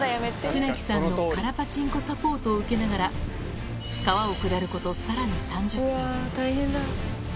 船木さんの空パチンコサポートを受けながら、川を下ることさらに３０分。